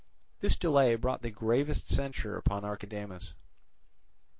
This delay brought the gravest censure upon Archidamus.